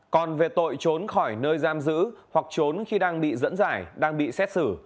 còn về tội trốn khỏi nơi giam giữ hoặc trốn khi đang bị dẫn giải đang bị xét xử